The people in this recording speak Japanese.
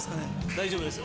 大丈夫ですよ。